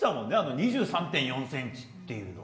２３．４ｃｍというのは。